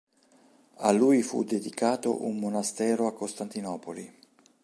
A lui fu dedicato un monastero a Costantinopoli.